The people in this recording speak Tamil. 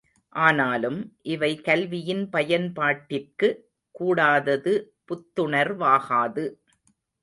ஆனாலும், இவை கல்வியின் பயன்பாட்டிற்கு கூடாதது புத்துணர்வாகாது.